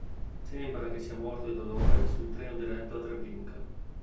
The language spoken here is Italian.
Sembra che sia morto di dolore sul treno diretto a Treblinka.